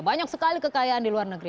banyak sekali kekayaan di luar negeri